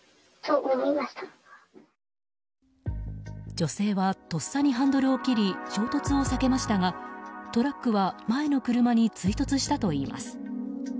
女性はとっさにハンドルを切り衝突を避けましたがトラックは前の車に追突したといいます。